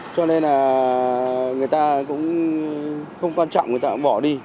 cho nên là người ta cũng không quan trọng người ta cũng bỏ đi